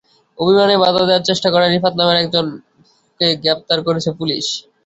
অভিযানে বাধা দেওয়ার চেষ্টা করায় রিফাত নামের একজনকে গ্রেপ্তার করেছে পুলিশ।